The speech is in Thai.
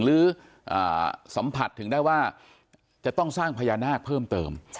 หรือสัมผัสถึงได้ว่าจะต้องสร้างพญานาคเพิ่มเติม